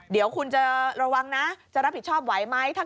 เดี๋ยวคุณจะระวังนะจะรับผิดชอบไหวไหม